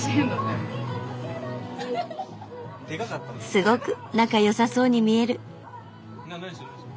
すごく仲良さそうに見える。